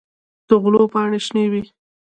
د غلو پاڼې شنه وي.